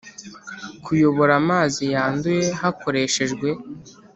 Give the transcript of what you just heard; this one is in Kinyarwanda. kuyobora amazi yanduye hakoreshejwe